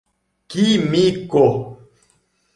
Que mico!